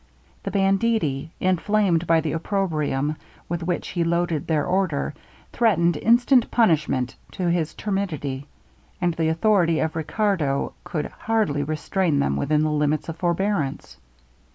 The banditti, inflamed by the opprobium with which he loaded their order, threatened instant punishment to his temerity; and the authority of Riccardo could hardly restrain them within the limits of forbearance.